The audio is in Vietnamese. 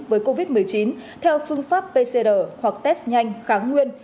với covid một mươi chín theo phương pháp pcr hoặc test nhanh kháng nguyên